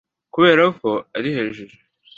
kuberako ari hejuru